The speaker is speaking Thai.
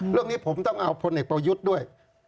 เรื่องนี้ผมต้องเอาพลเอกประยุทธ์ด้วย